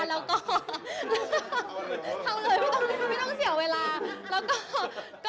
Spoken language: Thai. ได้เลยค่ะ